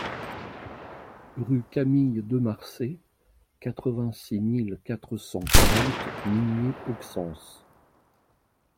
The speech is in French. Rue Camille Demarçay, quatre-vingt-six mille quatre cent quarante Migné-Auxances